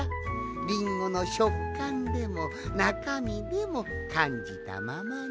リンゴのしょっかんでもなかみでもかんじたままに。